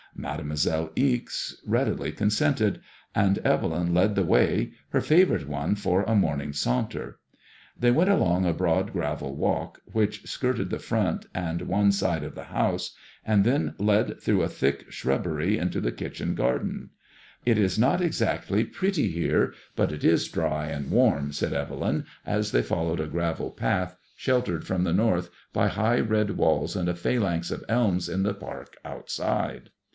Made moiselle Ixe readily consented, and Evelyn led the way, her favourite one for a morning saunter. They went along a broad gravel walk which skirted the front and one side of the house, and then led through a MADEMOISELLE IXE. 25 thick shrubbery into the kitchen garden. " It is not exactly pretty here, but it is dry and warm/' said Evelyn, as they followed a gravel path, sheltered from the north by high red walls and a phalanx of elms in the park outside.